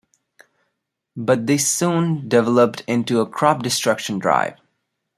But this soon developed into a crop destruction drive.